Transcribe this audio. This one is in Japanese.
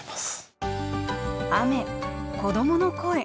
雨子どもの声。